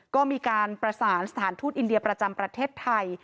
ก็มีการประสานสถานทูตอินเดียประจำประเทศไทย